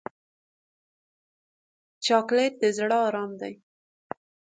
چاکلېټ د زړه ارام دی.